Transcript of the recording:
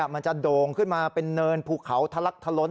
โด่งขึ้นมาเป็นเนินภูเขาทะลักทะล้น